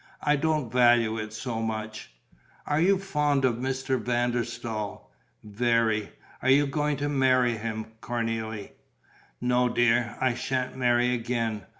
I don't value it so much." "Are you fond of Mr. van der Staal?" "Very." "Are you going to marry him, Cornélie?" "No, dear. I sha'n't marry again.